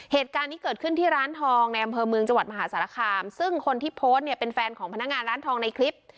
เหตุการณ์นี้เกิดขึ้นที่ร้านทองในอำเภอเมืองจังหวัดมหาสารคามซึ่งคนที่โพสต์เนี่ยเป็นแฟนของพนักงานร้านทองในคลิป